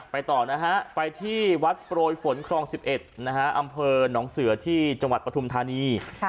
ต่อนะฮะไปที่วัดโปรยฝนครอง๑๑นะฮะอำเภอหนองเสือที่จังหวัดปฐุมธานี